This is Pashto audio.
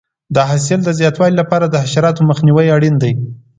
د حاصل د زیاتوالي لپاره د حشراتو مخنیوی اړین دی.